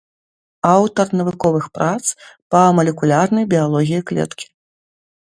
Аўтар навуковых прац па малекулярнай біялогіі клеткі.